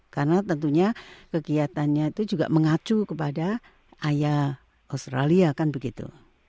karena tentunya kegiatannya itu juga mengacu kepada aya australia kan begitu